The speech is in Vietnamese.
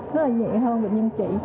rất là nhẹ hơn bệnh nhân chị